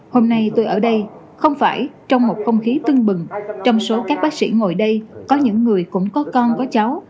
hôm nay tôi ở đây không phải trong một không khí tưng bừng trong số các bác sĩ ngồi đây có những người cũng có con có cháu